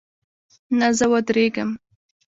نه، زه ودریږم